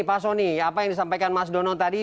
apa yang disampaikan mas donon tadi